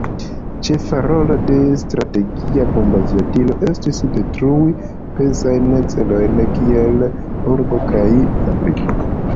Ĉefa rolo de Strategia bombaviadilo estis detrui pezajn celojn kiel urbo kaj fabriko.